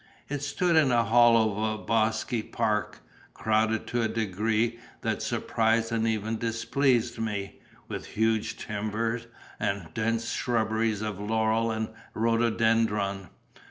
It stood in a hollow of a bosky park, crowded to a degree that surprised and even displeased me, with huge timber and dense shrubberies of laurel and rhododendron.